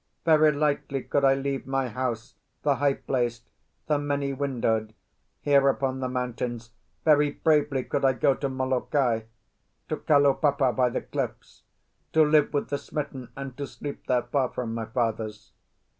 "Very lightly could I leave my house, the high placed, the many windowed, here upon the mountains. Very bravely could I go to Molokai, to Kalaupapa by the cliffs, to live with the smitten and to sleep there, far from my fathers.